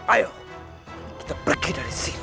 ayo kita pergi dari sini